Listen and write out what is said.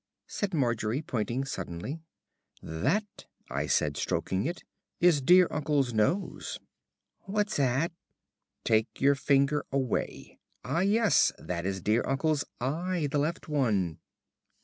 said Margery, pointing suddenly. "That," I said, stroking it, "is dear uncle's nose." "What's 'at?" "Take your finger away. Ah, yes, that is dear uncle's eye. The left one."